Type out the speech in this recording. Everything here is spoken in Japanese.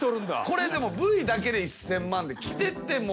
これでもＶだけで１，０００万で。